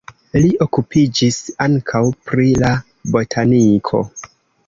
Li okupiĝis ankaŭ pri la botaniko.